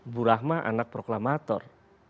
bu rahma anak proklamator